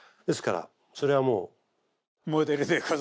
ですからそれはもう。